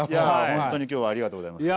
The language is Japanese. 本当に今日はありがとうございます。